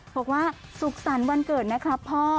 บอกว่าสุขสรรค์วันเกิดนะครับพ่อ